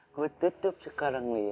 gue tutup sekarang ya